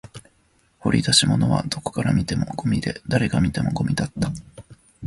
掘り出したものはどこから見てもゴミで、誰が見てもゴミだった